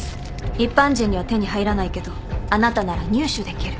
一般人には手に入らないけどあなたなら入手できる。